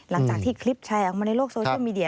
หลังจากที่คลิปแชร์ออกมาในโลกโซเชียลมีเดีย